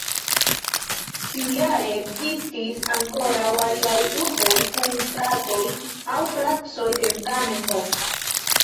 Tiujare ekzistis ankoraŭ aliaj urboj kun stratoj aŭ placoj de Zamenhof.